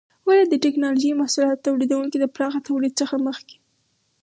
ولې د ټېکنالوجۍ محصولاتو تولیدونکي د پراخه تولید څخه مخکې؟